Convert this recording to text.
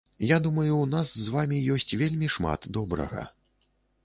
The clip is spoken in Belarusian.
Я думаю, у нас з вамі ёсць вельмі шмат добрага.